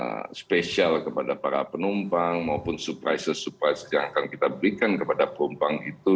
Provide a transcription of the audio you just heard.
yang spesial kepada para penumpang maupun surprise surprise yang akan kita berikan kepada penumpang itu